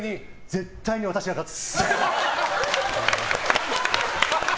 絶対に私が勝つ。